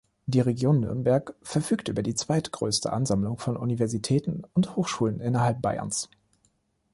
Die Region Nürnberg verfügt über die zweitgrößte Ansammlung von Universitäten und Hochschulen innerhalb Bayerns.